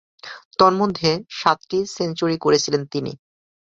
তন্মধ্যে, সাতটি সেঞ্চুরি করেছিলেন তিনি।